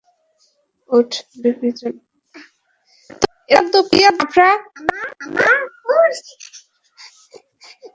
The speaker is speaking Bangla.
উঠ, বেবি জন!